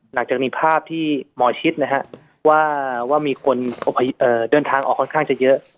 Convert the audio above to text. หลังจากมีภาพที่หมอชิดนะฮะว่ามีคนเดินทางออกค่อนข้างจะเยอะ